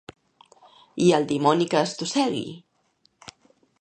I el dimoni que estossegui!